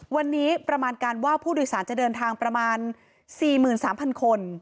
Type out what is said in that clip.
วันนี้ประมาณการว่าผู้โดยสารจะเดินทางประมาณ๔๓๐๐คน